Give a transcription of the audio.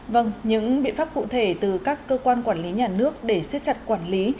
vâng những biện pháp cụ thể từ các cơ quan quản lý nhà nước để xếp chặt quản lý